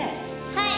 はい。